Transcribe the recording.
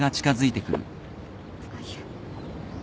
あっいや。